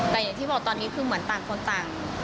แต่อย่างที่บอกตอนนี้คือเหมือนต่างคนต่าง